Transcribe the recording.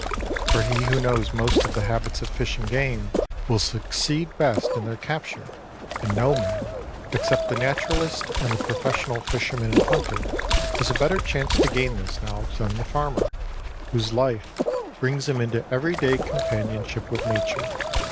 For he who knows most of the habits of fish and game will succeed best in their capture, and no man, except the naturalist and the professional fisherman and hunter, has a better chance to gain this knowledge than the farmer, whose life brings him into everyday companionship with nature.